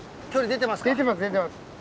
出てます。